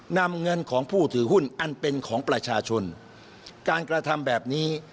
นำเงินของผู้ถือหุ้นอันเป็นของประชาชนการกระทำแบบนี้